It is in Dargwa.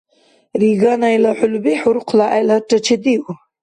Риганайла хӀулби ХӀурхъла гӀеларра чедиу.